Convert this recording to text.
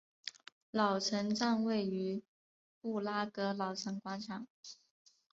老城站位于布拉格老城广场。